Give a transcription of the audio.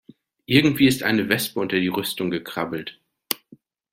Irgendwie ist eine Wespe unter die Rüstung gekrabbelt.